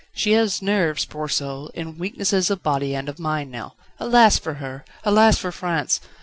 She has nerves, poor soul, and weaknesses of body and of mind now. Alas for her! Alas for France!